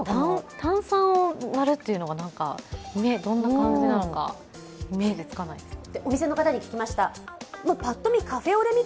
炭酸を割るというのがどんな感じなのかイメージつかないですね。